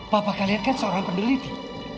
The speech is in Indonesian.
bapak kalian kan seorang peneliti